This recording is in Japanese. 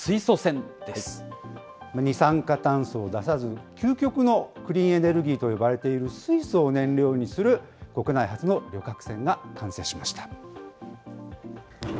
二酸化炭素を出さず、究極のクリーンエネルギーと呼ばれている水素を燃料にする、国内初の旅客船が完成しました。